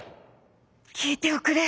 「きいておくれ！